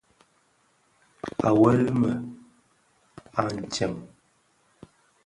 À weli më a ntseng.